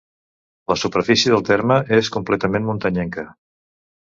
La superfície del terme és completament muntanyenca.